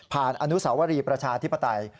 อนุสาวรีประชาธิปไตย